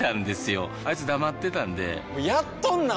あいつ黙ってたんでやっとんなー！